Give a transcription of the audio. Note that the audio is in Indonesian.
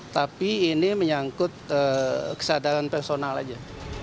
tapi ini menyangkut kesadaran personal aja